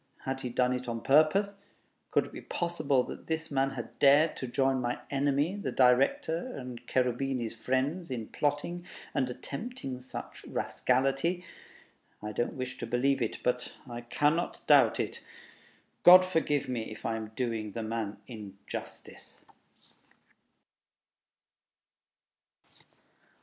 Had he done it on purpose? ... Could it be possible that this man had dared to join my enemy, the Director, and Cherubini's friends, in plotting and attempting such rascality? I don't wish to believe it ... but I cannot doubt it. God forgive me if I am doing the man injustice!